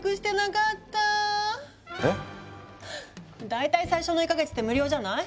大体最初の１か月って無料じゃない？